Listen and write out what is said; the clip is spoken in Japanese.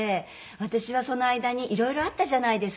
私はその間にいろいろあったじゃないですか。